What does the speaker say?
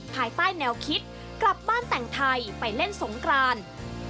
ภายใต้แนวคิดกลับบ้านแต่งไทยไปเล่นสงกราน